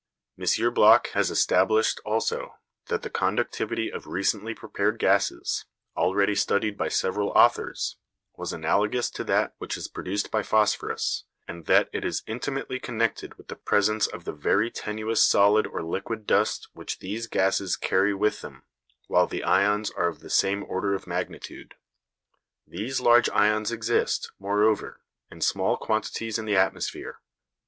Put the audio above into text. M. Bloch has established also that the conductivity of recently prepared gases, already studied by several authors, was analogous to that which is produced by phosphorus, and that it is intimately connected with the presence of the very tenuous solid or liquid dust which these gases carry with them, while the ions are of the same order of magnitude. These large ions exist, moreover, in small quantities in the atmosphere; and M.